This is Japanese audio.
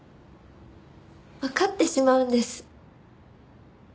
わかってしまうんです。